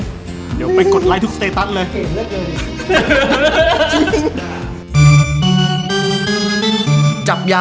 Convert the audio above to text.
เดี๋ยวไปกดไลค์ทุกสเตตัสเลย